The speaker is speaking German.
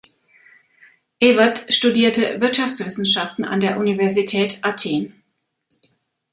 Evert studierte Wirtschaftswissenschaften an der Universität Athen.